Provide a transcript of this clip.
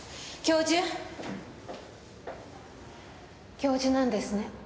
教授なんですね？